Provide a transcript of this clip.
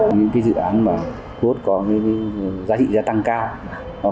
những dự án thu hút có giá trị giá tăng cao